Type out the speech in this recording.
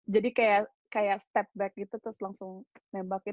jadi kek kayak step back gitu terus langsung nembak itu